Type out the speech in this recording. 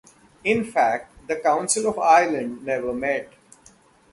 In fact, the Council of Ireland never met.